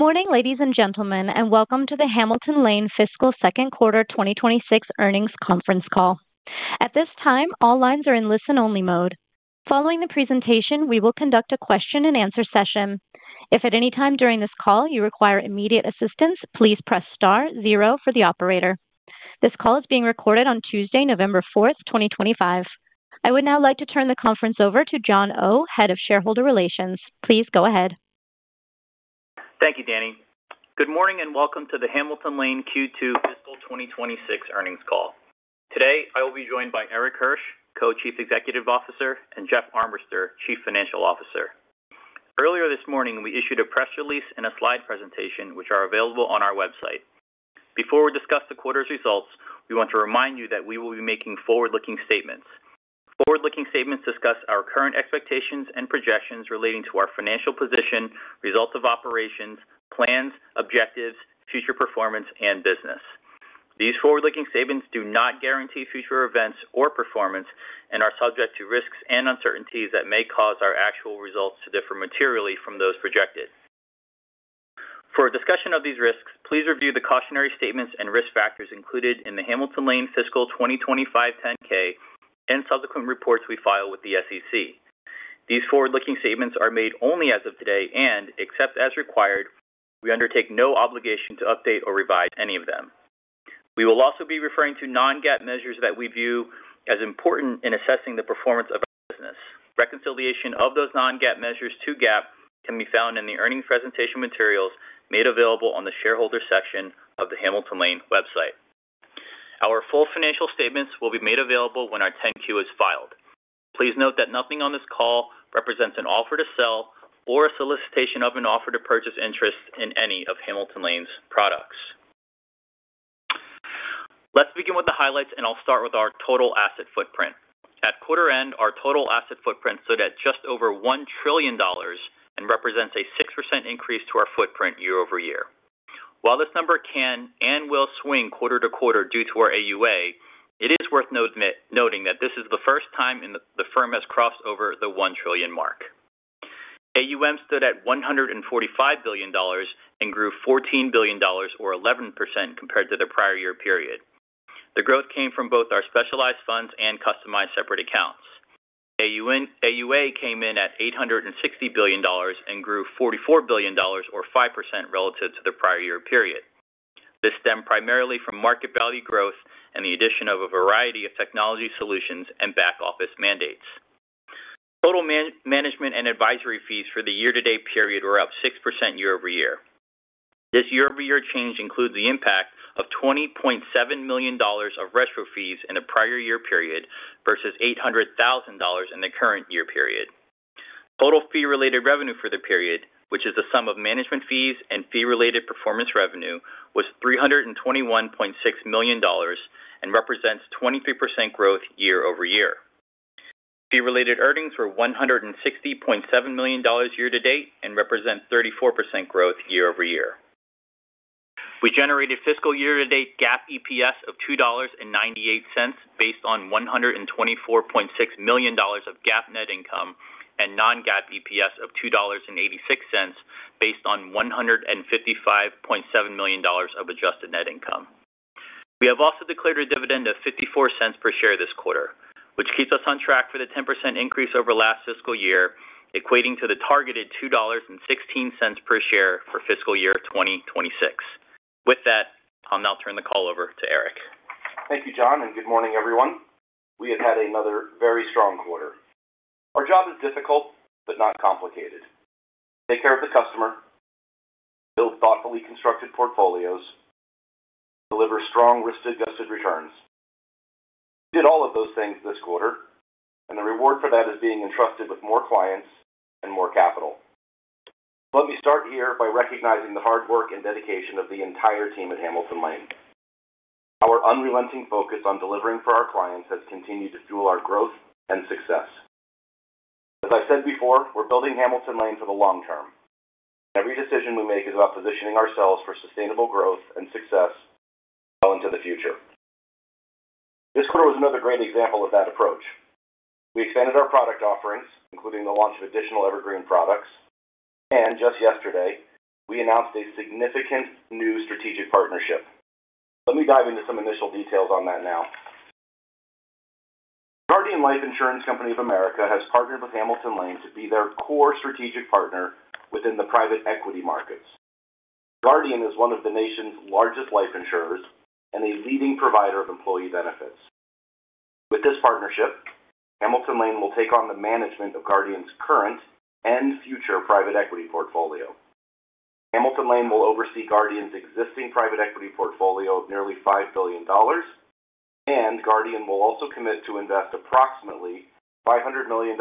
Good morning, ladies and gentlemen, and welcome to the Hamilton Lane Fiscal Second Quarter 2026 Earnings Conference Call. At this time, all lines are in listen-only mode. Following the presentation, we will conduct a question-and-answer session. If at any time during this call you require immediate assistance, please press star zero for the operator. This call is being recorded on Tuesday, November 4th, 2025. I would now like to turn the conference over to John Oh, Head of Shareholder Relations. Please go ahead. Thank you, Danny. Good morning and welcome to the Hamilton Lane Q2 Fiscal 2026 Earnings Call. Today, I will be joined by Erik Hirsch, Co-Chief Executive Officer, and Jeffrey Armbrister, Chief Financial Officer. Earlier this morning, we issued a press release and a slide presentation, which are available on our website. Before we discuss the quarter's results, we want to remind you that we will be making forward-looking statements. Forward-looking statements discuss our current expectations and projections relating to our financial position, result of operations, plans, objectives, future performance, and business. These forward-looking statements do not guarantee future events or performance and are subject to risks and uncertainties that may cause our actual results to differ materially from those projected. For discussion of these risks, please review the cautionary statements and risk factors included in the Hamilton Lane Fiscal 2025 10-K and subsequent reports we file with the SEC. These forward-looking statements are made only as of today and, except as required, we undertake no obligation to update or revise any of them. We will also be referring to non-GAAP measures that we view as important in assessing the performance of our business. Reconciliation of those non-GAAP measures to GAAP can be found in the earnings presentation materials made available on the shareholder section of the Hamilton Lane website. Our full financial statements will be made available when our 10-Q is filed. Please note that nothing on this call represents an offer to sell or a solicitation of an offer to purchase interest in any of Hamilton Lane's products. Let's begin with the highlights, and I'll start with our total asset footprint. At quarter end, our total asset footprint stood at just over $1 trillion and represents a 6% increase to our footprint year-over-year. While this number can and will swing quarter to quarter due to our AUA, it is worth noting that this is the first time the firm has crossed over the $1 trillion mark. AUM stood at $145 billion and grew $14 billion, or 11%, compared to the prior-year period. The growth came from both our specialized funds and customized Separate Accounts. AUA came in at $860 billion and grew $44 billion, or 5%, relative to the prior-year period. This stemmed primarily from market value growth and the addition of a variety of Technology Solutions and back-office mandates. Total management and advisory fees for the year-to-date period were up 6% year-over-year. This year-over-year change includes the impact of $20.7 million of retro fees in a prior-year period versus $800,000 in the current year period. Total fee-related revenue for the period, which is the sum of Management Fees and fee-related performance revenue, was $321.6 million and represents 23% growth year-over-year. Fee-related earnings were $160.7 million year to date and represent 34% growth year-over-year. We generated fiscal year-to-date GAAP EPS of $2.98 based on $124.6 million of GAAP net income and non-GAAP EPS of $2.86 based on $155.7 million of adjusted net income. We have also declared a dividend of $0.54 per share this quarter, which keeps us on track for the 10% increase over last fiscal year, equating to the targeted $2.16 per share for fiscal year 2026. With that, I'll now turn the call over to Erik. Thank you, John, and good morning, everyone. We have had another very strong quarter. Our job is difficult, but not complicated. Take care of the customer. Build thoughtfully constructed portfolios. Deliver strong, risk-adjusted returns. We did all of those things this quarter, and the reward for that is being entrusted with more clients and more capital. Let me start here by recognizing the hard work and dedication of the entire team at Hamilton Lane. Our unrelenting focus on delivering for our clients has continued to fuel our growth and success. As I've said before, we're building Hamilton Lane for the long term. Every decision we make is about positioning ourselves for sustainable growth and success. Well into the future. This quarter was another great example of that approach. We expanded our product offerings, including the launch of additional Evergreen products. And just yesterday, we announced a significant new strategic partnership. Let me dive into some initial details on that now. Guardian Life Insurance Company of America has partnered with Hamilton Lane to be their core strategic partner within the private equity markets. Guardian is one of the nation's largest life insurers and a leading provider of employee benefits. With this partnership, Hamilton Lane will take on the management of Guardian's current and future private equity portfolio. Hamilton Lane will oversee Guardian's existing private equity portfolio of nearly $5 billion. And Guardian will also commit to invest approximately $500 million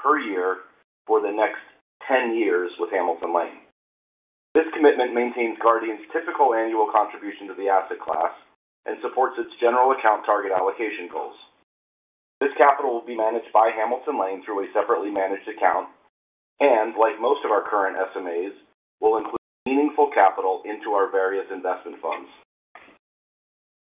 per year for the next 10 years with Hamilton Lane. This commitment maintains Guardian's typical annual contribution to the asset class and supports its general account target allocation goals. This capital will be managed by Hamilton Lane through a separately managed account and, like most of our current SMAs, will include meaningful capital into our various investment funds.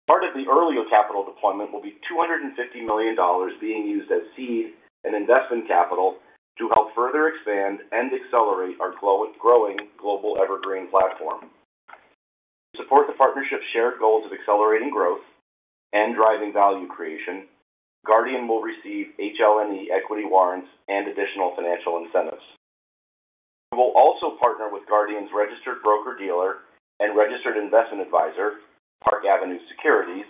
Part of the earlier capital deployment will be $250 million being used as seed and investment capital to help further expand and accelerate our growing global Evergreen platform. To support the partnership's shared goals of accelerating growth and driving value creation, Guardian will receive HLNE equity warrants and additional financial incentives. We will also partner with Guardian's registered broker-dealer and registered investment advisor, Park Avenue Securities,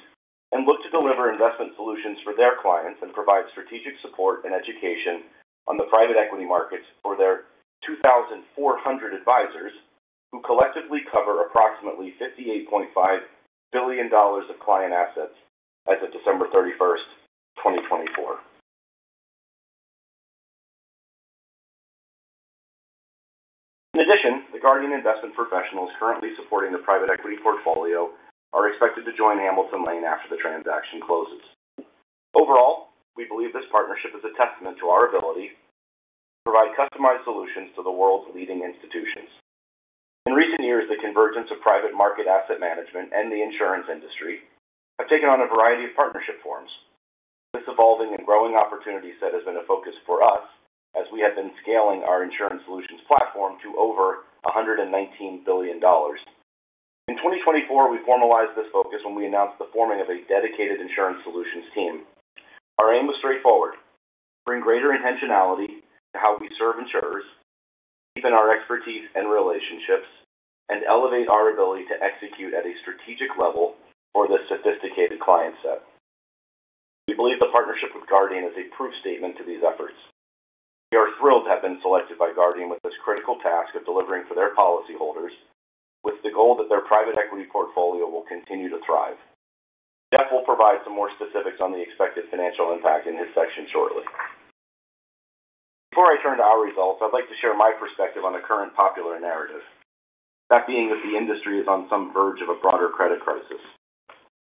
and look to deliver investment solutions for their clients and provide strategic support and education on the private equity markets for their 2,400 advisors who collectively cover approximately $58.5 billion of client assets as of December 31, 2024. In addition, the Guardian investment professionals currently supporting the private equity portfolio are expected to join Hamilton Lane after the transaction closes. Overall, we believe this partnership is a testament to our ability to provide customized solutions to the world's leading institutions. In recent years, the convergence of private market asset management and the insurance industry have taken on a variety of partnership forms. This evolving and growing opportunity set has been a focus for us as we have been scaling our insurance solutions platform to over $119 billion. In 2024, we formalized this focus when we announced the forming of a dedicated insurance solutions team. Our aim was straightforward: bring greater intentionality to how we serve insurers, deepen our expertise and relationships, and elevate our ability to execute at a strategic level for the sophisticated client set. We believe the partnership with Guardian is a proof statement to these efforts. We are thrilled to have been selected by Guardian with this critical task of delivering for their policyholders with the goal that their private equity portfolio will continue to thrive. Jeff will provide some more specifics on the expected financial impact in his section shortly. Before I turn to our results, I'd like to share my perspective on the current popular narrative, that being that the industry is on some verge of a broader credit crisis.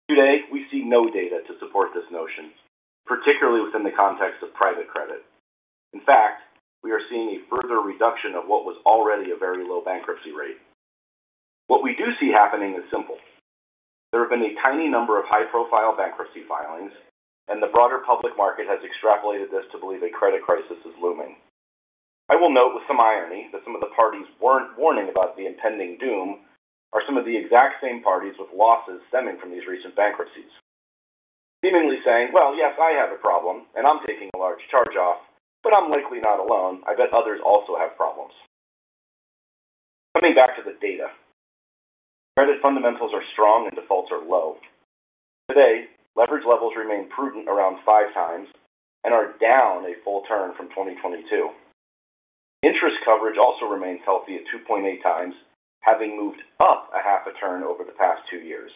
Today, we see no data to support this notion, particularly within the context of private credit. In fact, we are seeing a further reduction of what was already a very low bankruptcy rate. What we do see happening is simple. There have been a tiny number of high-profile bankruptcy filings, and the broader public market has extrapolated this to believe a credit crisis is looming. I will note with some irony that some of the parties weren't warning about the impending doom are some of the exact same parties with losses stemming from these recent bankruptcies. Seemingly saying, "Well, yes, I have a problem, and I'm taking a large charge off, but I'm likely not alone. I bet others also have problems." Coming back to the data. Credit fundamentals are strong and defaults are low. Today, leverage levels remain prudent around 5x and are down a full turn from 2022. Interest coverage also remains healthy at 2.8x, having moved up a half a turn over the past two years.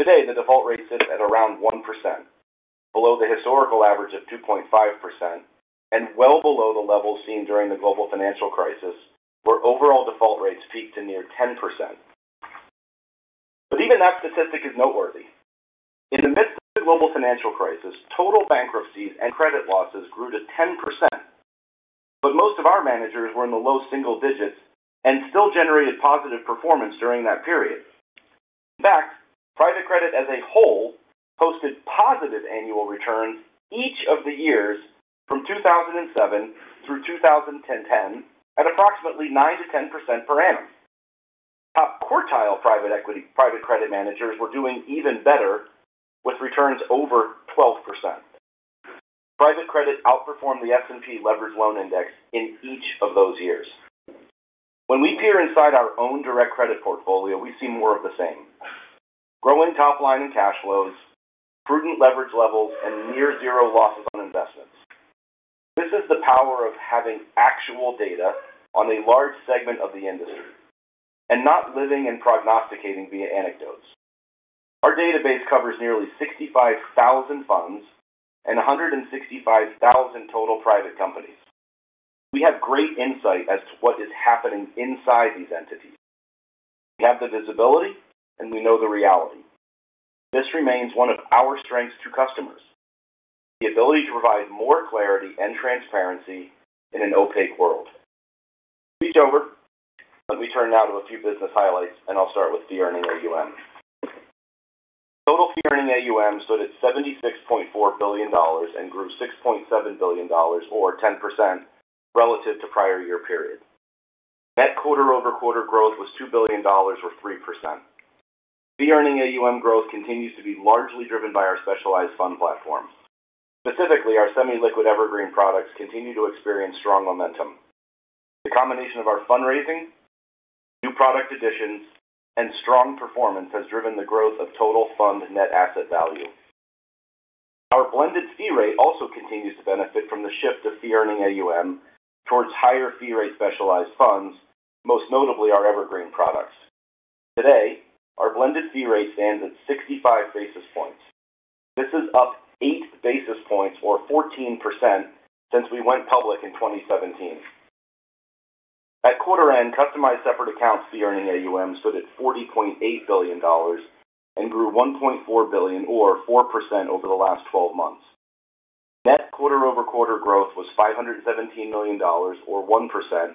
Today, the default rate sits at around 1%, below the historical average of 2.5% and well below the levels seen during the global financial crisis where overall default rates peaked to near 10%. But even that statistic is noteworthy. In the midst of the global financial crisis, total bankruptcies and credit losses grew to 10%. But most of our managers were in the low single digits and still generated positive performance during that period. In fact, private credit as a whole posted positive annual returns each of the years from 2007 through 2010 at approximately 9%-10% per annum. Top quartile private credit managers were doing even better with returns over 12%. Private credit outperformed the S&P Leveraged Loan Index in each of those years. When we peer inside our own direct credit portfolio, we see more of the same. Growing top line and cash flows, prudent leverage levels, and near-zero losses on investments. This is the power of having actual data on a large segment of the industry and not living and prognosticating via anecdotes. Our database covers nearly 65,000 funds and 165,000 total private companies. We have great insight as to what is happening inside these entities. We have the visibility, and we know the reality. This remains one of our strengths to customers: the ability to provide more clarity and transparency in an opaque world. Please don't worry. Let me turn now to a few business highlights, and I'll start with PR and AUM. Total PR and AUM stood at $76.4 billion and grew $6.7 billion, or 10%, relative to the prior-year period. Net quarter-over-quarter growth was $2 billion, or 3%. PR and AUM growth continues to be largely driven by our Specialized Fund platforms. Specifically, our semi-liquid Evergreen products continue to experience strong momentum. The combination of our fundraising, new product additions, and strong performance has driven the growth of total fund net asset value. Our blended fee rate also continues to benefit from the shift to PR and AUM towards higher fee-rate Specialized Funds, most notably our Evergreen products. Today, our blended fee rate stands at 65 basis points. This is up 8 basis points, or 14%, since we went public in 2017. At quarter end, customized Separate Accounts PR and AUM stood at $40.8 billion and grew $1.4 billion, or 4%, over the last 12 months. Net quarter-over-quarter growth was $517 million, or 1%,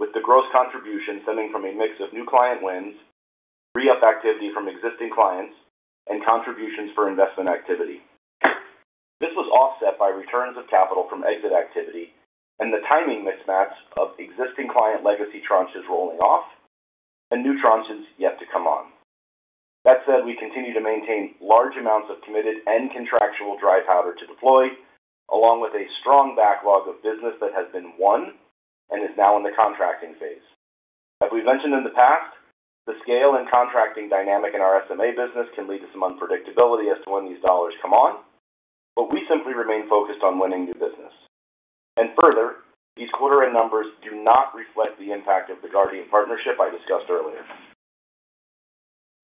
with the gross contribution stemming from a mix of new client wins, re-up activity from existing clients, and contributions for investment activity. This was offset by returns of capital from exit activity and the timing mismatch of existing client legacy tranches rolling off and new tranches yet to come on. That said, we continue to maintain large amounts of committed and contractual dry powder to deploy, along with a strong backlog of business that has been won and is now in the contracting phase. As we've mentioned in the past, the scale and contracting dynamic in our SMA business can lead to some unpredictability as to when these dollars come on, but we simply remain focused on winning new business and further, these quarter-end numbers do not reflect the impact of the Guardian partnership I discussed earlier.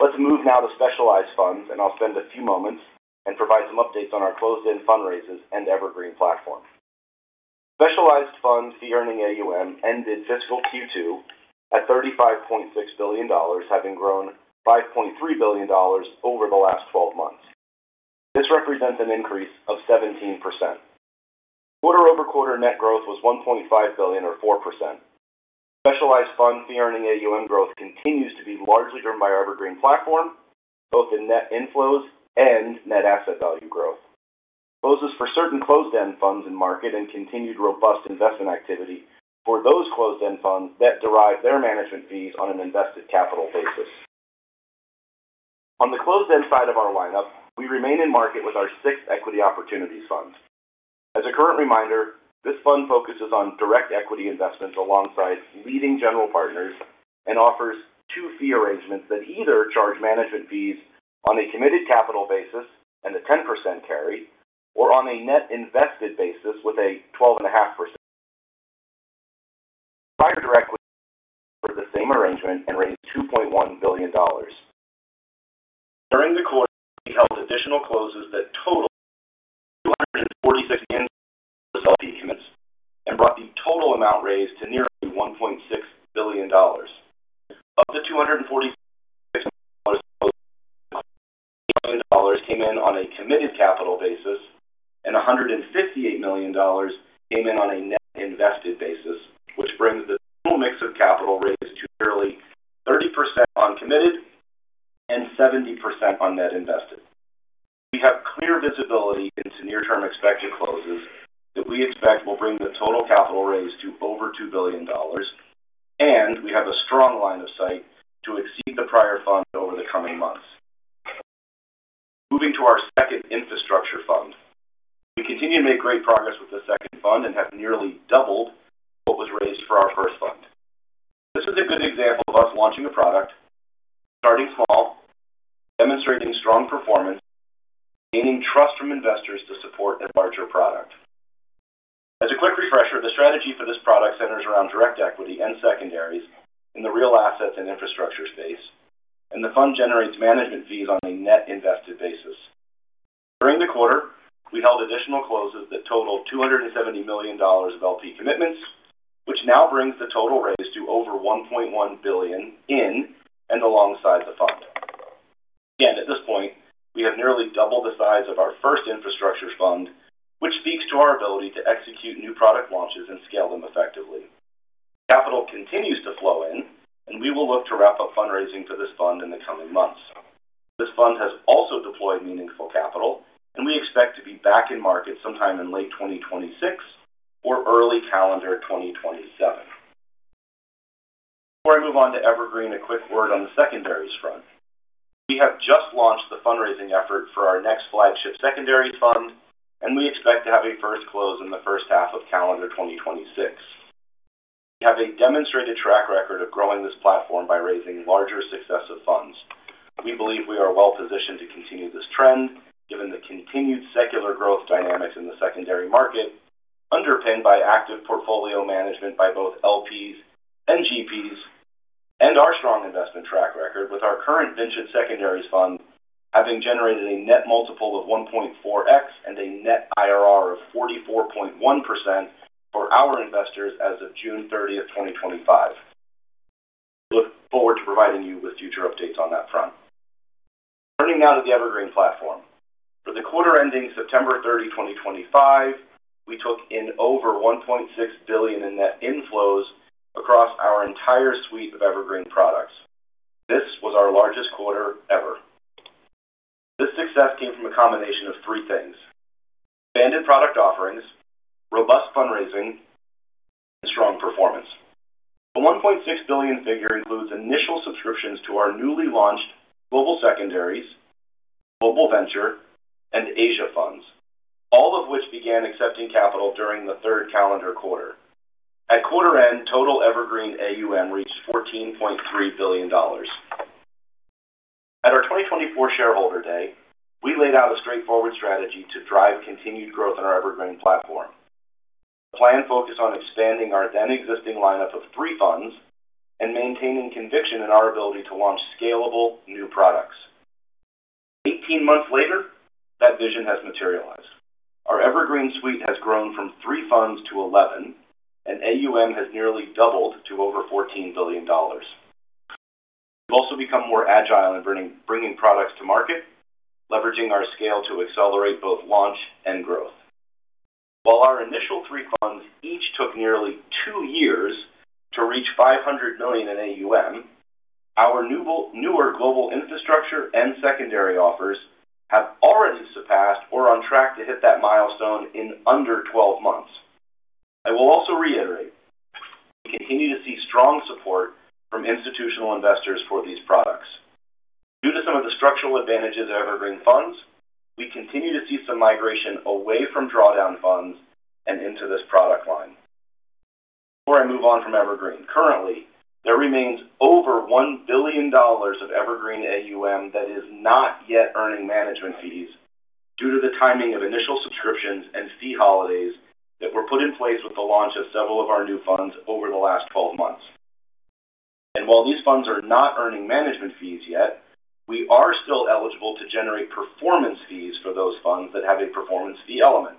Let's move now to Specialized Funds, and I'll spend a few moments and provide some updates on our closed-end fundraisers and Evergreen platform. Specialized Funds PR and AUM ended fiscal Q2 at $35.6 billion, having grown $5.3 billion over the last 12 months. This represents an increase of 17%. Quarter-over-quarter net growth was $1.5 billion, or 4%. Specialized Funds PR and AUM growth continues to be largely driven by our Evergreen platform, both in net inflows and net asset value growth. This is for certain closed-end funds in market and continued robust investment activity for those closed-end funds that derive their Management Fees on an invested capital basis. On the closed-end side of our lineup, we remain in market with our sixth Equity Opportunities Fund. As a quick reminder, this fund focuses on direct equity investments alongside leading general partners and offers two fee arrangements that either charge Management Fees on a committed capital basis and a 10% carry or on a net invested basis with a 12.5%. Private Direct was the same arrangement and raised $2.1 billion. During the quarter, we held additional closes that totaled $246 million. This is a fee commitment and brought the total amount raised to nearly $1.6 billion. Up to $246 million came in on a committed capital basis, and $158 million came in on a net invested basis, which brings the total mix of capital raised to nearly 30% on committed and 70% on net invested. We have clear visibility into near-term expected closes that we expect will bring the total capital raised to over $2 billion, and we have a strong line of sight to exceed the prior fund over the coming months. Moving to our second Infrastructure Fund, we continue to make great progress with the second fund and have nearly doubled what was raised for our first fund. This is a good example of us launching a product, starting small, demonstrating strong performance, gaining trust from investors to support a larger product. As a quick refresher, the strategy for this product centers around direct equity and secondaries in the real assets and infrastructure space, and the fund generates Management Fees on a net invested basis. During the quarter, we held additional closes that totaled $270 million of LP commitments, which now brings the total raised to over $1.1 billion in and alongside the fund. Again, at this point, we have nearly doubled the size of our first Infrastructure Fund, which speaks to our ability to execute new product launches and scale them effectively. Capital continues to flow in, and we will look to wrap up fundraising for this fund in the coming months. This fund has also deployed meaningful capital, and we expect to be back in market sometime in late 2026 or early calendar 2027. Before I move on to Evergreen, a quick word on the secondaries front. We have just launched the fundraising effort for our next flagship Secondaries Fund, and we expect to have a first close in the first half of calendar 2026. We have a demonstrated track record of growing this platform by raising larger successive funds. We believe we are well positioned to continue this trend given the continued secular growth dynamics in the secondary market, underpinned by active portfolio management by both LPs and GPs, and our strong investment track record with our current Secondaries fund having generated a net multiple of 1.4x and a net IRR of 44.1% for our investors as of June 30th, 2025. We look forward to providing you with future updates on that front. Turning now to the Evergreen platform. For the quarter ending September 30, 2025, we took in over $1.6 billion in net inflows across our entire suite of Evergreen products. This was our largest quarter ever. This success came from a combination of three things: expanded product offerings, robust fundraising, and strong performance. The $1.6 billion figure includes initial subscriptions to our newly launched Global Secondaries, Global Venture, and Asia Funds, all of which began accepting capital during the third calendar quarter. At quarter end, total Evergreen AUM reached $14.3 billion. At our 2024 shareholder day, we laid out a straightforward strategy to drive continued growth in our Evergreen platform: planned focus on expanding our then-existing lineup of three funds and maintaining conviction in our ability to launch scalable new products. 18 months later, that vision has materialized. Our Evergreen suite has grown from three funds to 11, and AUM has nearly doubled to over $14 billion. We have also become more agile in bringing products to market, leveraging our scale to accelerate both launch and growth. While our initial three funds each took nearly 2 years to reach $500 million in AUM, our newer Global Infrastructure and Secondary offers have already surpassed or are on track to hit that milestone in under 12 months. I will also reiterate. We continue to see strong support from institutional investors for these products. Due to some of the structural advantages of Evergreen Funds, we continue to see some migration away from drawdown funds and into this product line. Before I move on from Evergreen, currently, there remains over $1 billion of Evergreen AUM that is not yet earning Management Fees due to the timing of initial subscriptions and fee holidays that were put in place with the launch of several of our new funds over the last 12 months. And while these funds are not earning Management Fees yet, we are still eligible to generate Performance Fees for those funds that have a performance fee element.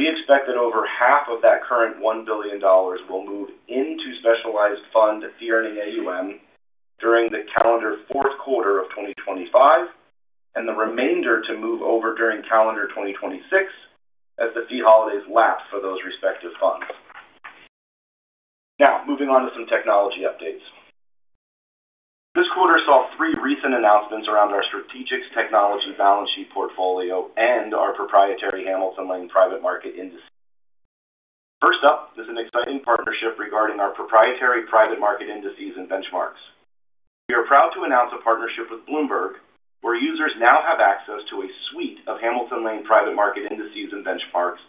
We expect that over half of that current $1 billion will move into Specialized Fund fee-earning AUM during the calendar fourth quarter of 2025, and the remainder to move over during calendar 2026 as the fee holidays last for those respective funds. Now, moving on to some technology updates. This quarter saw three recent announcements around our strategic technology balance sheet portfolio and our proprietary Hamilton Lane Private Market Indices. First up is an exciting partnership regarding our proprietary private market indices and benchmarks. We are proud to announce a partnership with Bloomberg, where users now have access to a suite of Hamilton Lane Private Market Indices and Benchmarks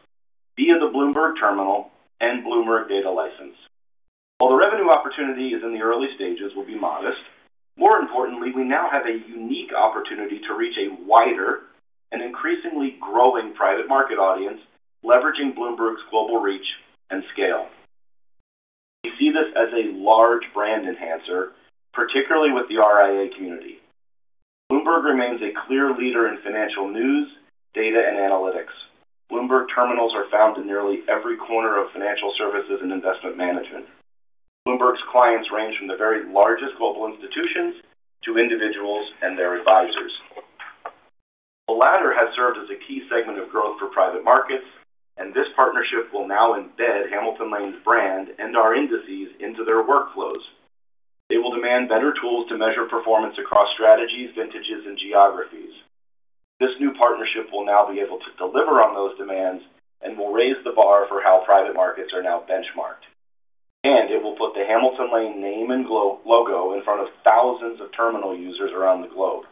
via the Bloomberg Terminal and Bloomberg Data License. While the revenue opportunity is in the early stages, it will be modest. More importantly, we now have a unique opportunity to reach a wider and increasingly growing private market audience, leveraging Bloomberg's global reach and scale. We see this as a large brand enhancer, particularly with the RIA community. Bloomberg remains a clear leader in financial news, data, and analytics. Bloomberg Terminals are found in nearly every corner of financial services and investment management. Bloomberg's clients range from the very largest global institutions to individuals and their advisors. The latter has served as a key segment of growth for private markets, and this partnership will now embed Hamilton Lane's brand and our indices into their workflows. They will demand better tools to measure performance across strategies, vintages, and geographies. This new partnership will now be able to deliver on those demands and will raise the bar for how private markets are now benchmarked, and it will put the Hamilton Lane name and logo in front of thousands of terminal users around the globe.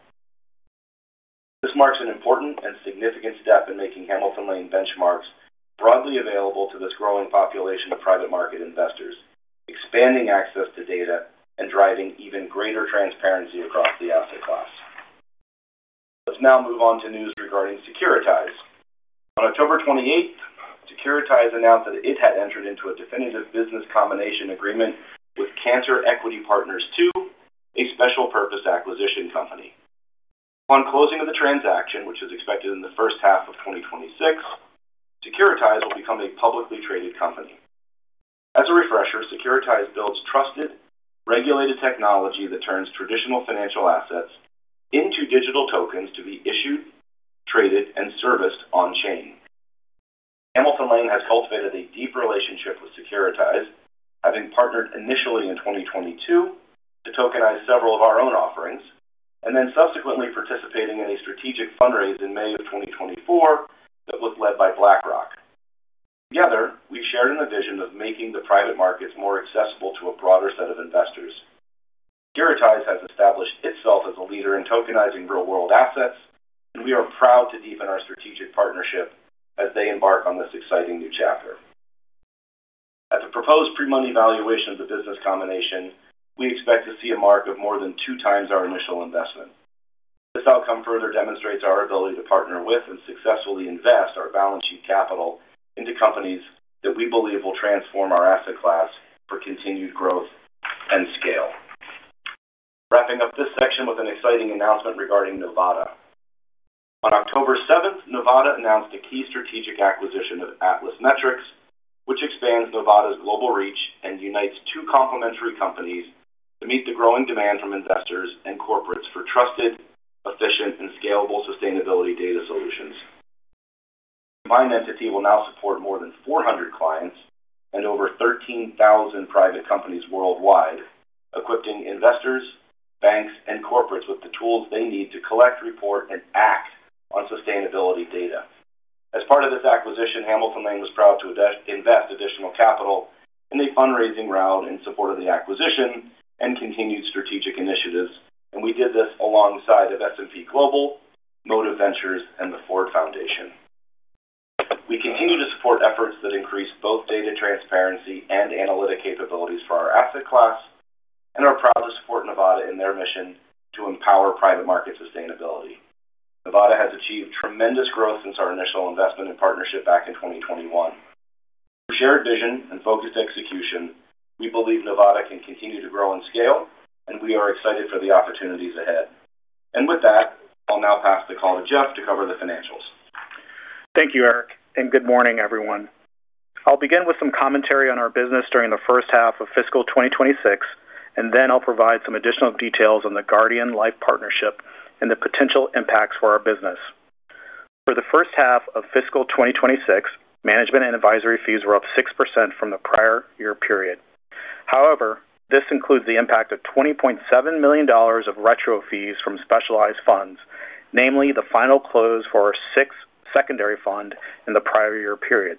This marks an important and significant step in making Hamilton Lane benchmarks broadly available to this growing population of private market investors, expanding access to data and driving even greater transparency across the asset class. Let's now move on to news regarding Securitize. On October 28th, Securitize announced that it had entered into a definitive business combination agreement with Cantor Equity Partners II, a special purpose acquisition company. Upon closing of the transaction, which is expected in the first half of 2026, Securitize will become a publicly traded company. As a refresher, Securitize builds trusted, regulated technology that turns traditional financial assets into digital tokens to be issued, traded, and serviced on-chain. Hamilton Lane has cultivated a deep relationship with Securitize, having partnered initially in 2022 to tokenize several of our own offerings, and then subsequently participating in a strategic fundraise in May of 2024 that was led by BlackRock. Together, we've shared in the vision of making the private markets more accessible to a broader set of investors. Securitize has established itself as a leader in tokenizing real-world assets, and we are proud to deepen our strategic partnership as they embark on this exciting new chapter. At the proposed pre-money valuation of the business combination, we expect to see a mark of more than two times our initial investment. This outcome further demonstrates our ability to partner with and successfully invest our balance sheet capital into companies that we believe will transform our asset class for continued growth and scale. Wrapping up this section with an exciting announcement regarding Novata. On October 7th, Novata announced a key strategic acquisition of Atlas Metrics, which expands Novata's global reach and unites two complementary companies to meet the growing demand from investors and corporates for trusted, efficient, and scalable sustainability data solutions. The combined entity will now support more than 400 clients and over 13,000 private companies worldwide, equipping investors, banks, and corporates with the tools they need to collect, report, and act on sustainability data. As part of this acquisition, Hamilton Lane was proud to invest additional capital in the fundraising round in support of the acquisition and continued strategic initiatives, and we did this alongside of S&P Global, Motive Ventures, and the Ford Foundation. We continue to support efforts that increase both data transparency and analytic capabilities for our asset class, and are proud to support Novata in their mission to empower private market sustainability. Novata has achieved tremendous growth since our initial investment and partnership back in 2021. With shared vision and focused execution, we believe Novata can continue to grow and scale, and we are excited for the opportunities ahead. And with that, I'll now pass the call to Jeff to cover the financials. Thank you, Erik, and good morning, everyone. I'll begin with some commentary on our business during the first half of fiscal 2026, and then I'll provide some additional details on the Guardian Life Partnership and the potential impacts for our business. For the first half of fiscal 2026, management and advisory fees were up 6% from the prior-year period. However, this includes the impact of $20.7 million of retro fees from Specialized funds, namely the final close for our sixth secondary fund in the prior-year period,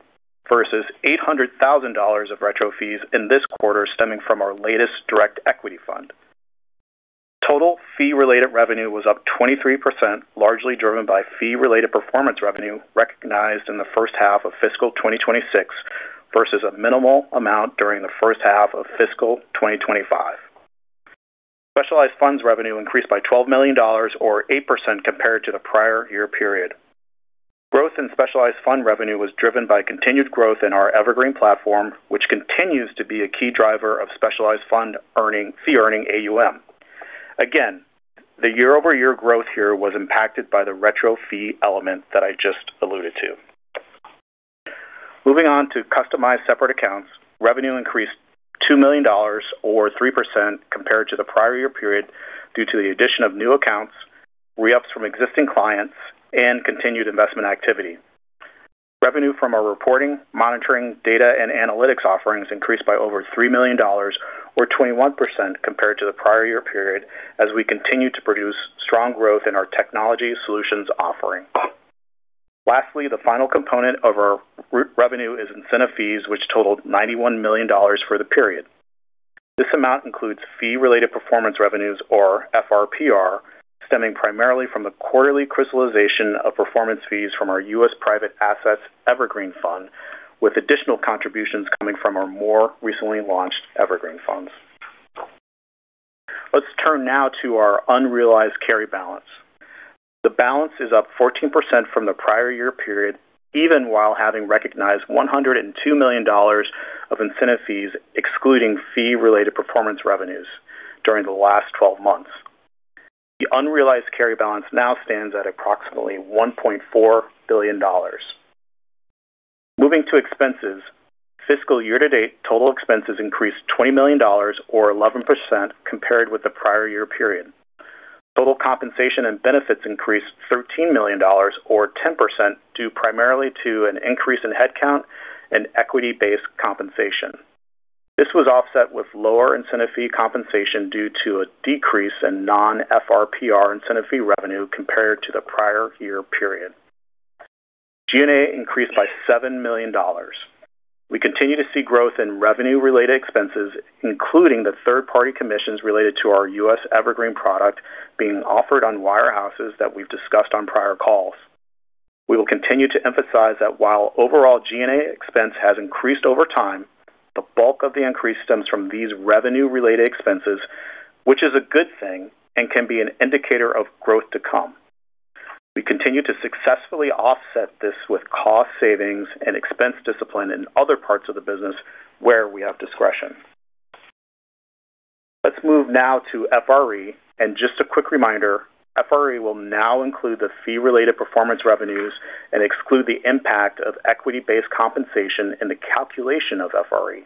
versus $800,000 of retro fees in this quarter stemming from our latest Direct Equity Fund. Total fee-related revenue was up 23%, largely driven by fee-related performance revenue recognized in the first half of fiscal 2026, versus a minimal amount during the first half of fiscal 2025. Specialized Funds revenue increased by $12 million, or 8% compared to the prior-year period. Growth in Specialized Fund revenue was driven by continued growth in our Evergreen platform, which continues to be a key driver of Specialized Fund fee-earning AUM. Again, the year-over-year growth here was impacted by the retro fee element that I just alluded to. Moving on to customized Separate Accounts, revenue increased $2 million, or 3%, compared to the prior-year period due to the addition of new accounts, re-ups from existing clients, and continued investment activity. Revenue from our reporting, monitoring, data, and analytics offerings increased by over $3 million, or 21%, compared to the prior-year period as we continue to produce strong growth in our Technology Solutions offering. Lastly, the final component of our revenue is Incentive Fees, which totaled $91 million for the period. This amount includes fee-related performance revenues, or FRPR, stemming primarily from the quarterly crystallization of Performance Fees from our U.S. private assets Evergreen Fund, with additional contributions coming from our more recently launched Evergreen Funds. Let's turn now to our unrealized carry balance. The balance is up 14% from the prior-year period, even while having recognized $102 million of Incentive Fees excluding fee-related performance revenues during the last twelve months. The unrealized carry balance now stands at approximately $1.4 billion. Moving to expenses, fiscal year-to-date total expenses increased $20 million, or 11%, compared with the prior-year period. Total compensation and benefits increased $13 million, or 10%, due primarily to an increase in headcount and equity-based compensation. This was offset with lower incentive fee compensation due to a decrease in non-FRPR incentive fee revenue compared to the prior-year period. G&A increased by $7 million. We continue to see growth in revenue-related expenses, including the third-party commissions related to our U.S. Evergreen product being offered on wirehouses that we've discussed on prior calls. We will continue to emphasize that while overall G&A expense has increased over time, the bulk of the increase stems from these revenue-related expenses, which is a good thing and can be an indicator of growth to come. We continue to successfully offset this with cost savings and expense discipline in other parts of the business where we have discretion. Let's move now to FRE, and just a quick reminder, FRE will now include the fee-related performance revenues and exclude the impact of equity-based compensation in the calculation of FRE.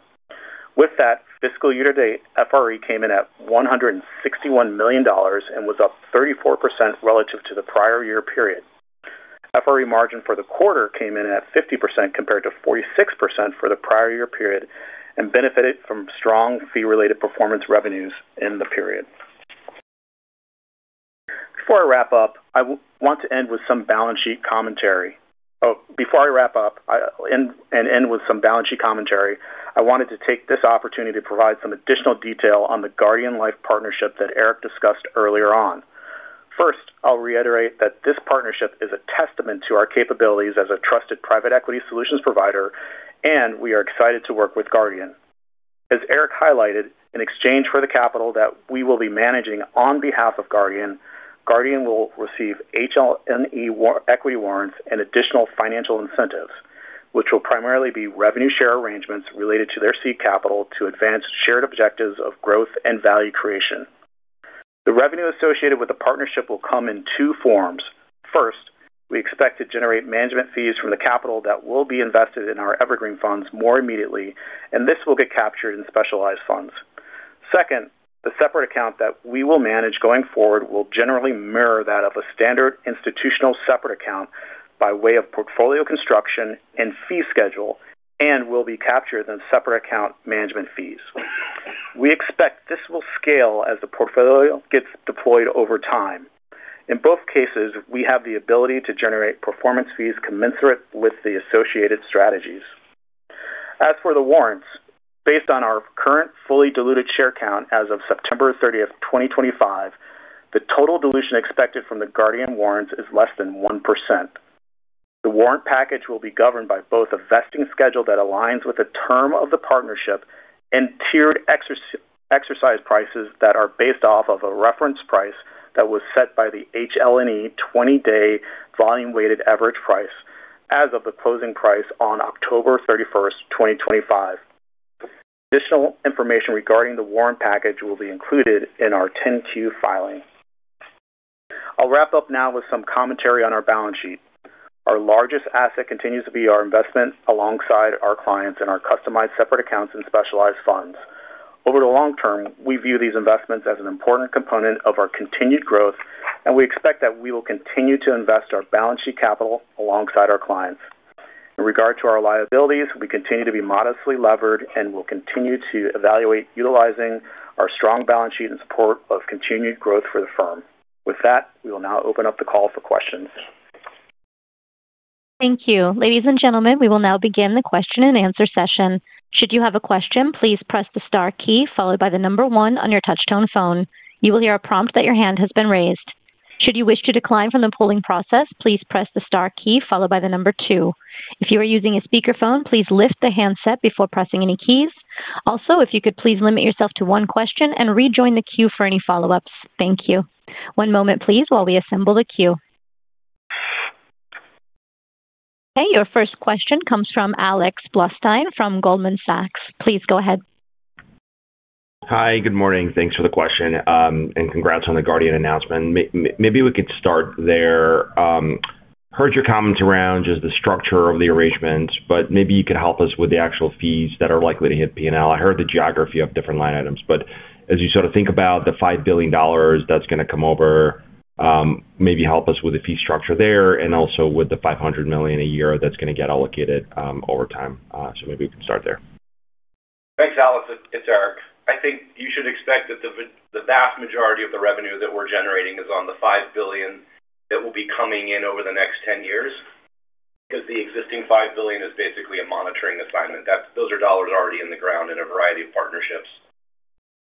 With that, fiscal year-to-date FRE came in at $161 million and was up 34% relative to the prior-year period. FRE margin for the quarter came in at 50% compared to 46% for the prior-year period and benefited from strong fee-related performance revenues in the period. Before I wrap up, I want to end with some balance sheet commentary. Oh, before I wrap up and end with some balance sheet commentary, I wanted to take this opportunity to provide some additional detail on the Guardian Life Partnership that Erik discussed earlier on. First, I'll reiterate that this partnership is a testament to our capabilities as a trusted private equity solutions provider, and we are excited to work with Guardian. As Erik highlighted, in exchange for the capital that we will be managing on behalf of Guardian, Guardian will receive HLNE equity warrants and additional financial incentives, which will primarily be revenue share arrangements related to their seed capital to advance shared objectives of growth and value creation. The revenue associated with the partnership will come in two forms. First, we expect to generate Management Fees from the capital that will be invested in our Evergreen Funds more immediately, and this will get captured in Specialized Funds. Second, the Separate Account that we will manage going forward will generally mirror that of a standard institutional Separate Account by way of portfolio construction and fee schedule and will be captured in Separate Account Management Fees. We expect this will scale as the portfolio gets deployed over time. In both cases, we have the ability to generate Performance Fees commensurate with the associated strategies. As for the warrants, based on our current fully diluted share count as of September 30, 2025, the total dilution expected from the Guardian warrants is less than 1%. The warrant package will be governed by both a vesting schedule that aligns with the term of the partnership and tiered exercise prices that are based off of a reference price that was set by the HLNE 20-day volume-weighted average price as of the closing price on October 31, 2025. Additional information regarding the warrant package will be included in our 10-Q filing. I'll wrap up now with some commentary on our balance sheet. Our largest asset continues to be our investment alongside our clients and our customized Separate Accounts and Specialized Funds. Over the long term, we view these investments as an important component of our continued growth, and we expect that we will continue to invest our balance sheet capital alongside our clients. In regard to our liabilities, we continue to be modestly levered and will continue to evaluate utilizing our strong balance sheet in support of continued growth for the firm. With that, we will now open up the call for questions. Thank you. Ladies and gentlemen, we will now begin the question and answer session. Should you have a question, please press the star key followed by the number one on your touch-tone phone. You will hear a prompt that your hand has been raised. Should you wish to decline from the polling process, please press the star key followed by the number two. If you are using a speakerphone, please lift the handset before pressing any keys. Also, if you could please limit yourself to one question and rejoin the queue for any follow-ups. Thank you. One moment, please, while we assemble the queue. Okay, your first question comes from Alex Blostein from Goldman Sachs. Please go ahead. Hi, good morning. Thanks for the question, and congrats on the Guardian announcement. Maybe we could start there. Heard your comments around just the structure of the arrangement, but maybe you could help us with the actual fees that are likely to hit P&L. I heard the geography of different line items, but as you sort of think about the $5 billion that's going to come over. Maybe help us with the fee structure there and also with the $500 million a year that's going to get allocated over time. So maybe we can start there. Thanks, Alex. It's Erik. I think you should expect that the vast majority of the revenue that we're generating is on the $5 billion that will be coming in over the next 10 years. Because the existing $5 billion is basically a monitoring assignment. Those are dollars already in the ground in a variety of partnerships.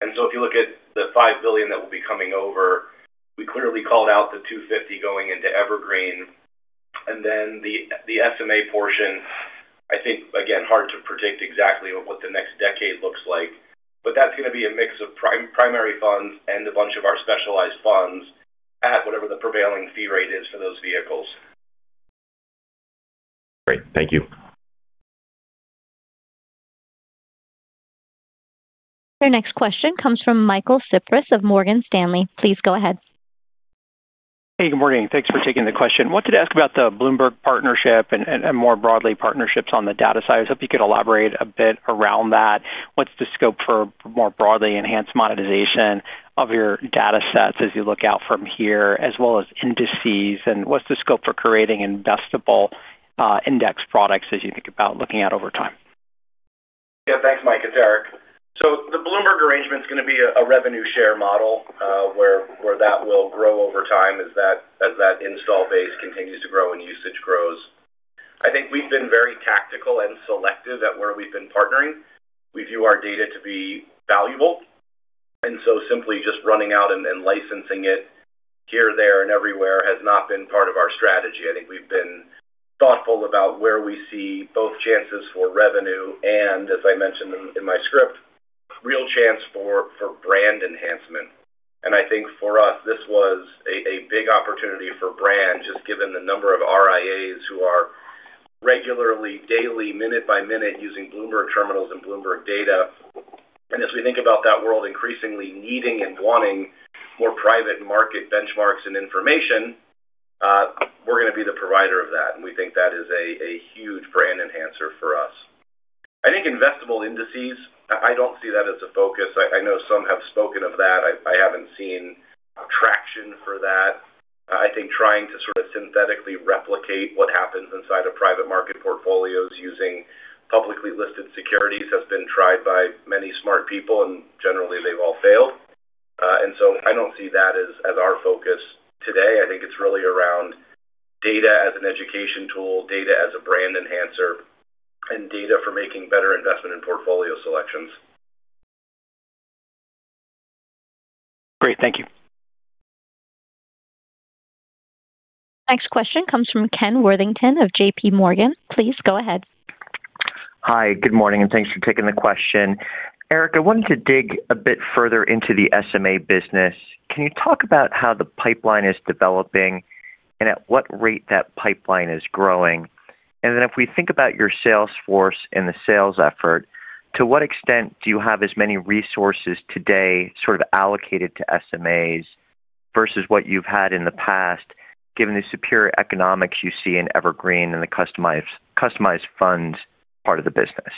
And so if you look at the $5 billion that will be coming over, we clearly called out the $250 going into Evergreen. And then the SMA portion, I think, again, hard to predict exactly what the next decade looks like, but that's going to be a mix of primary funds and a bunch of our Specialized Funds at whatever the prevailing fee rate is for those vehicles. Great. Thank you. Our next question comes from Michael Cyprys of Morgan Stanley. Please go ahead. Hey, good morning. Thanks for taking the question. Wanted to ask about the Bloomberg partnership and more broadly partnerships on the data side. I hope you could elaborate a bit around that. What's the scope for more broadly enhanced monetization of your data sets as you look out from here, as well as indices, and what's the scope for creating investible index products as you think about looking out over time? Yeah, thanks, Mike. It's Erik. So the Bloomberg arrangement is going to be a revenue share model where that will grow over time as that install base continues to grow and usage grows. I think we've been very tactical and selective at where we've been partnering. We view our data to be valuable. And so simply just running out and licensing it here, there, and everywhere has not been part of our strategy. I think we've been thoughtful about where we see both chances for revenue and, as I mentioned in my script, real chance for brand enhancement. And I think for us, this was a big opportunity for brand just given the number of RIAs who are regularly, daily, minute by minute, using Bloomberg Terminals and Bloomberg Data. And as we think about that world increasingly needing and wanting more private market benchmarks and information. We're going to be the provider of that. And we think that is a huge brand enhancer for us. I think investible indices, I don't see that as a focus. I know some have spoken of that. I haven't seen traction for that. I think trying to sort of synthetically replicate what happens inside of private market portfolios using publicly listed securities has been tried by many smart people, and generally, they've all failed. And so I don't see that as our focus today. I think it's really around data as an education tool, data as a brand enhancer, and data for making better investment and portfolio selections. Great. Thank you. Next question comes from Ken Worthington of JPMorgan. Please go ahead. Hi, good morning, and thanks for taking the question. Erik, I wanted to dig a bit further into the SMA business. Can you talk about how the pipeline is developing and at what rate that pipeline is growing? And then if we think about your sales force and the sales effort, to what extent do you have as many resources today sort of allocated to SMAs versus what you've had in the past, given the superior economics you see in Evergreen and the customized funds part of the business?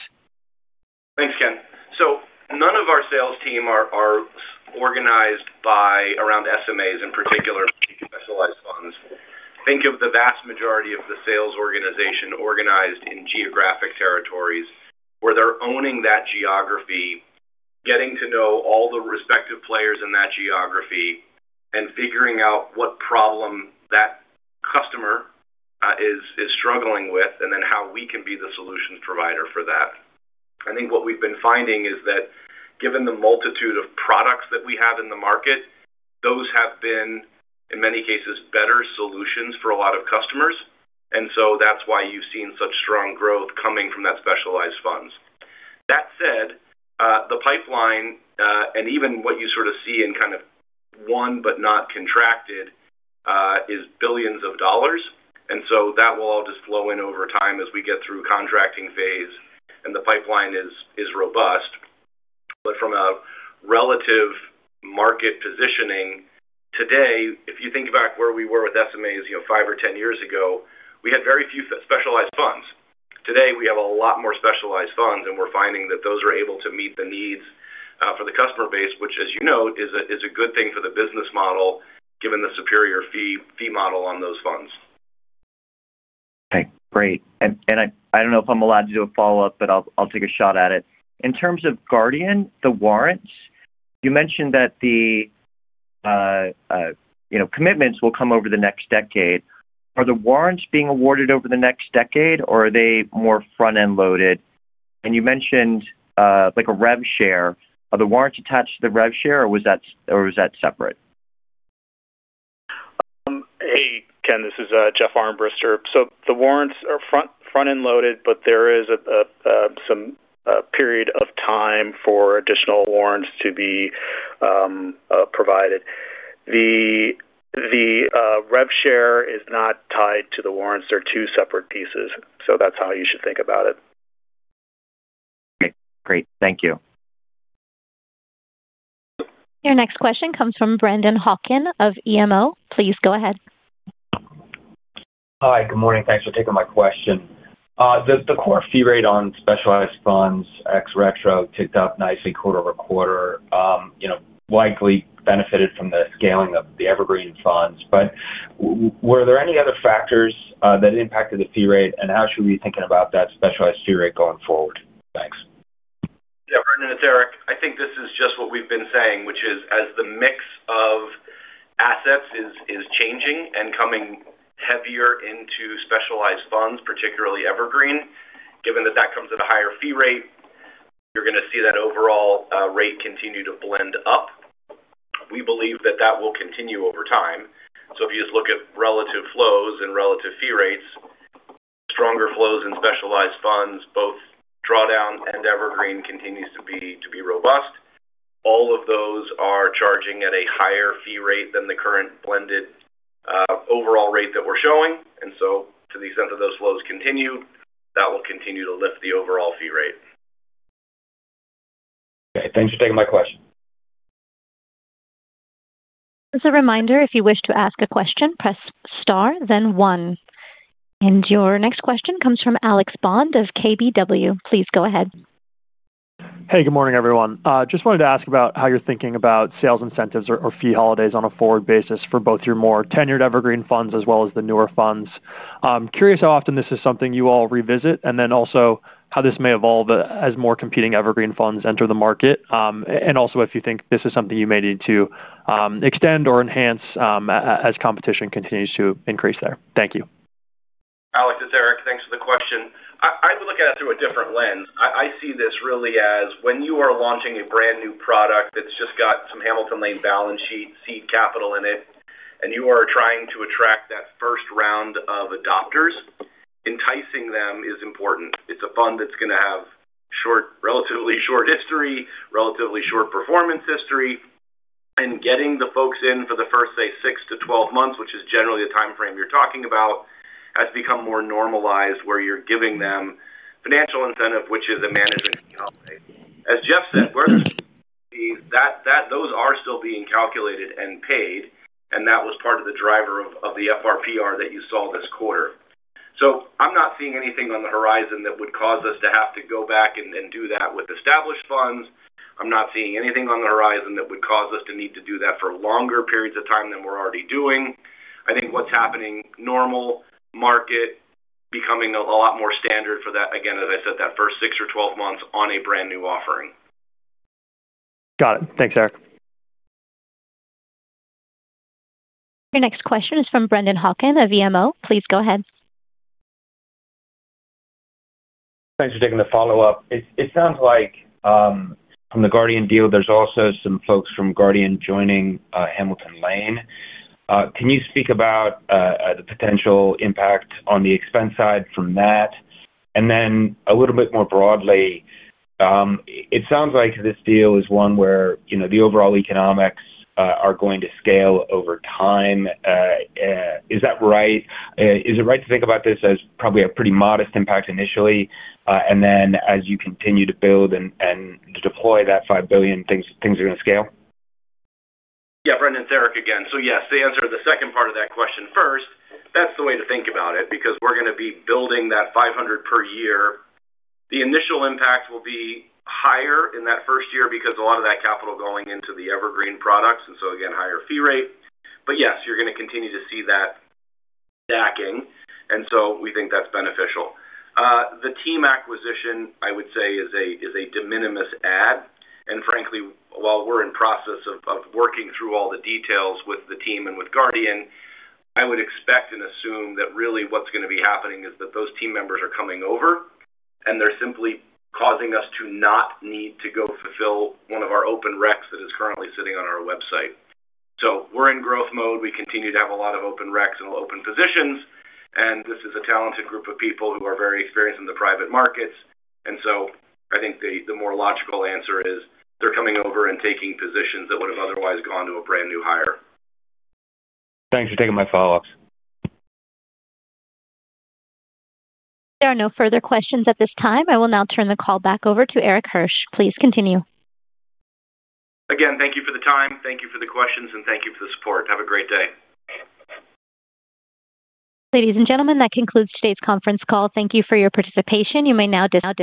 Thanks, Ken. So none of our sales team are organized around SMAs in particular, Specialized Funds. Think of the vast majority of the sales organization organized in geographic territories where they're owning that geography, getting to know all the respective players in that geography, and figuring out what problem that customer is struggling with, and then how we can be the solutions provider for that. I think what we've been finding is that given the multitude of products that we have in the market, those have been, in many cases, better solutions for a lot of customers. And so that's why you've seen such strong growth coming from that Specialized Funds. That said, the pipeline and even what you sort of see in kind of won but not contracted is billions of dollars. And so that will all just flow in over time as we get through contracting phase, and the pipeline is robust. But from a relative market positioning today, if you think about where we were with SMAs five or ten years ago, we had very few Specialized Funds. Today, we have a lot more Specialized Funds, and we're finding that those are able to meet the needs for the customer base, which, as you know, is a good thing for the business model given the superior fee model on those funds. Okay. Great. And I don't know if I'm allowed to do a follow-up, but I'll take a shot at it. In terms of Guardian, the warrants, you mentioned that the commitments will come over the next decade. Are the warrants being awarded over the next decade, or are they more front-end loaded? And you mentioned a rev share. Are the warrants attached to the rev share, or was that separate? Hey, Ken, this is Jeff Armbrister. So the warrants are front-end loaded, but there is some period of time for additional warrants to be provided. The rev share is not tied to the warrants. They're two separate pieces. So that's how you should think about it. Okay. Great. Thank you. Your next question comes from Brennan Hawken of BMO. Please go ahead. Hi, good morning. Thanks for taking my question. The core fee rate on Specialized Funds, ex-retro, ticked up nicely quarter over quarter, likely benefited from the scaling of the Evergreen Funds. But were there any other factors that impacted the fee rate, and how should we be thinking about that specialized fee rate going forward? Thanks. Yeah, Brennan, it's Erik. I think this is just what we've been saying, which is as the mix of. Assets is changing and coming heavier into Specialized Funds, particularly Evergreen, given that that comes at a higher fee rate, you're going to see that overall rate continue to blend up. We believe that that will continue over time. So if you just look at relative flows and relative fee rates. Stronger flows in Specialized Funds, both drawdown and Evergreen continues to be robust. All of those are charging at a higher fee rate than the current blended. Overall rate that we're showing. And so to the extent that those flows continue, that will continue to lift the overall fee rate. Okay. Thanks for taking my question. As a reminder, if you wish to ask a question, press star, then one. And your next question comes from Alex Bond of KBW. Please go ahead. Hey, good morning, everyone. Just wanted to ask about how you're thinking about sales incentives or fee holidays on a forward basis for both your more tenured Evergreen Funds as well as the newer funds. Curious how often this is something you all revisit, and then also how this may evolve as more competing Evergreen Funds enter the market, and also if you think this is something you may need to. Extend or enhance as competition continues to increase there. Thank you. Alex, it's Erik. Thanks for the question. I would look at it through a different lens. I see this really as when you are launching a brand new product that's just got some Hamilton Lane balance sheet seed capital in it, and you are trying to attract that first round of adopters, enticing them is important. It's a fund that's going to have relatively short history, relatively short performance history, and getting the folks in for the first, say, 6 to 12 months, which is generally the time frame you're talking about, has become more normalized where you're giving them financial incentive, which is a management fee holiday. As Jeff said, those are still being calculated and paid, and that was part of the driver of the FRPR that you saw this quarter. So I'm not seeing anything on the horizon that would cause us to have to go back and do that with established funds. I'm not seeing anything on the horizon that would cause us to need to do that for longer periods of time than we're already doing. I think what's happening, normal market becoming a lot more standard for that, again, as I said, that first 6 or 12 months on a brand new offering. Got it. Thanks, Erik. Your next question is from Brennan Hawken of BMO. Please go ahead. Thanks for taking the follow-up. It sounds like. From the Guardian deal, there's also some folks from Guardian joining Hamilton Lane. Can you speak about. The potential impact on the expense side from that? And then a little bit more broadly. It sounds like this deal is one where the overall economics are going to scale over time. Is that right? Is it right to think about this as probably a pretty modest impact initially, and then as you continue to build and to deploy that $5 billion, things are going to scale? Yeah, Brennan, it's Erik again. So yes, to answer the second part of that question first, that's the way to think about it because we're going to be building that $500 million per year. The initial impact will be higher in that first year because a lot of that capital going into the Evergreen products, and so again, higher fee rate. But yes, you're going to continue to see that. Stacking, and so we think that's beneficial. The team acquisition, I would say, is a de minimis add. And frankly, while we're in process of working through all the details with the team and with Guardian, I would expect and assume that really what's going to be happening is that those team members are coming over. And they're simply causing us to not need to go fulfill one of our open recs that is currently sitting on our website. So we're in growth mode. We continue to have a lot of open recs and open positions. And this is a talented group of people who are very experienced in the private markets. And so I think the more logical answer is they're coming over and taking positions that would have otherwise gone to a brand new hire. Thanks for taking my follow-ups. There are no further questions at this time. I will now turn the call back over to Erik Hirsch. Please continue. Again, thank you for the time. Thank you for the questions, and thank you for the support. Have a great day. Ladies and gentlemen, that concludes today's conference call. Thank you for your participation. You may now disconnect.